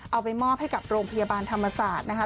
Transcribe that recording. เอาไปมอบให้กับโรงพยาบาลธรรมศาสตร์นะคะ